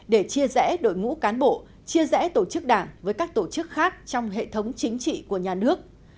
để chia rẽ đội ngũ cán bộ chia rẽ tổ chức đảng với các tổ chức khác trong hệ thống chính trị của nhà nước